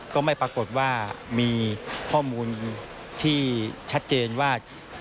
ก็ไม่ปรากฏว่ามีข้อมูลที่ชัดเจนว่า